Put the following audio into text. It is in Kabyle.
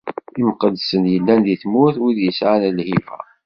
Imqeddsen yellan di tmurt, wid yesɛan lhiba.